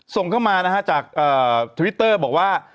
ส่งเข้ามานะฮะจากทวิตเตอร์บอกว่า